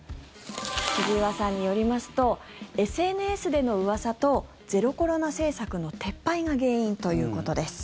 千々岩さんによりますとＳＮＳでのうわさとゼロコロナ政策の撤廃が原因ということです。